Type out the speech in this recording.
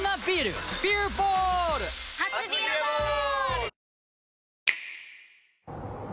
初「ビアボール」！